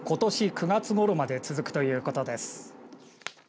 ９月ごろまで続くということです。